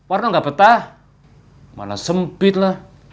apa berapa yang pala